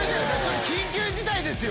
緊急事態ですよ。